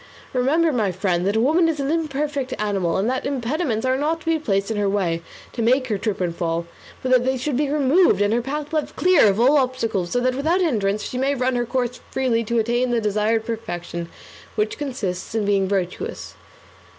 Remember, my friend, that woman is an imperfect animal, and that impediments are not to be placed in her way to make her trip and fall, but that they should be removed, and her path left clear of all obstacles, so that without hindrance she may run her course freely to attain the desired perfection, which consists in being virtuous.